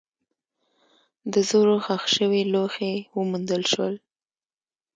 د زرو ښخ شوي لوښي وموندل شول.